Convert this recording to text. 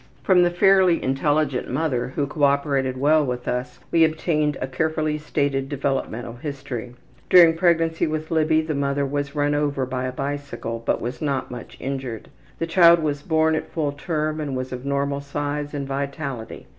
From the fairly intelligent mother, who cooperated well with us, we obtained a carefully stated developmental history. During pregnancy with Libby the mother was run over by a bicycle, but was not much injured. The child was born at full term and was of normal size and vitality.